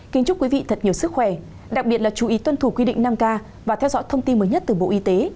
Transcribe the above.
kính chúc quý vị thật nhiều sức khỏe đặc biệt là chú ý tuân thủ quy định năm k và theo dõi thông tin mới nhất từ bộ y tế